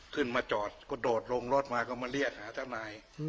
ขึ้นมาจอดกระโดดลงรถมาก็มาเรียกหาเจ้านาย